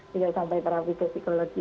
tidak sampai terapi psikologi